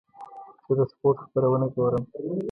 زه د سپورت خبرونه ګورم.